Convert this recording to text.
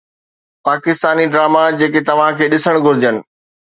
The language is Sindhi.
پاڪستاني ڊراما جيڪي توهان کي ڏسڻ گهرجن